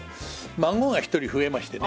孫が１人増えましてね。